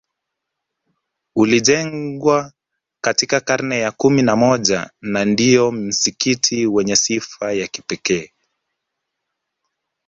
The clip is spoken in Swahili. Ulijengwa katika karne ya kumi na moja na ndio msikiti wenye sifa ya kipekee